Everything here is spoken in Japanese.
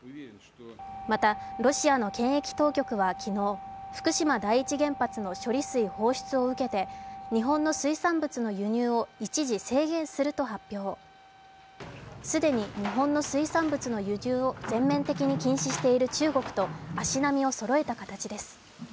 また、ロシアの検疫当局は昨日、福島第一原発の処理水放出を受けて日本の水産物の輸入を一時制限すると発表、既に日本の水産物の輸入を全面的に禁止している中国と足並みをそろえた形です。